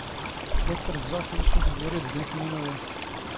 ⵍⴰ ⵜⵜⵔⵣⵣⵓⵖ ⵅⴼ ⵢⵉⵛⵜ ⵏ ⵜⴳⵓⵔⵉ ⴷⴳ ⵎⵙⵎⵓⵏ ⴰⵡⴰⵍ.